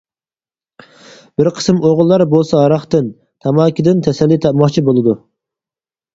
بىر قىسىم ئوغۇللار بولسا ھاراقتىن، تاماكىدىن تەسەللى تاپماقچى بولىدۇ.